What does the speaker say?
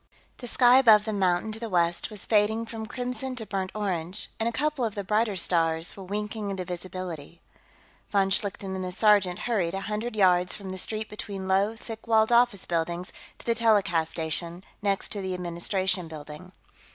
The sky above the mountain to the west was fading from crimson to burnt orange, and a couple of the brighter stars were winking into visibility. Von Schlichten and the sergeant hurried a hundred yards down the street between low, thick walled office buildings to the telecast station, next to the Administration Building.